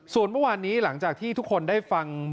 ส่วนเมื่อวานนี้หลังจากที่ทุกคนได้ฟัง